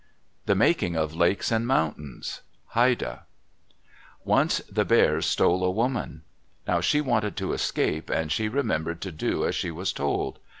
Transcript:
THE MAKING OF LAKES AND MOUNTAINS Haida Once the Bears stole a woman. Now she wanted to escape, and she remembered to do as she was told.